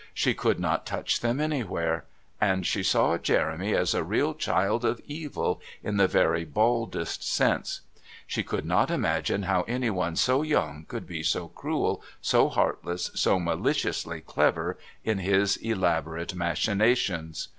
She could not touch them anywhere. And she saw Jeremy as a real child of Evil in the very baldest sense. She could not imagine how anyone so young could be so cruel, so heartless, so maliciously clever in his elaborate machinations.